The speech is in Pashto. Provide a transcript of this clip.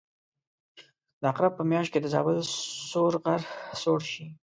د عقرب په میاشت کې د زابل سور غر سوړ شي.